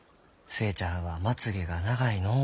寿恵ちゃんはまつげが長いのう。